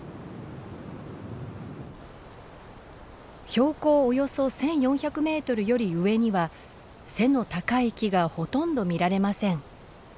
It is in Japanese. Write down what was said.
標高およそ１，４００メートルより上には背の高い木がほとんど見られません。